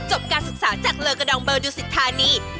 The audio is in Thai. การศึกษาจากเลอกระดองเบอร์ดูสิทธานี